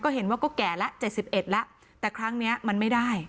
ก็เห็นว่าก็แก่และเจ็ดสิบเอ็ดแต่ครั้งเนี้ยมันไม่ได้